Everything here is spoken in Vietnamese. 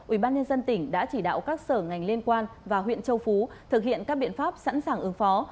ubnd tỉnh đã chỉ đạo các sở ngành liên quan và huyện châu phú thực hiện các biện pháp sẵn sàng ứng phó